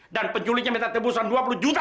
dan penculiknya minta tembusan dua puluh juta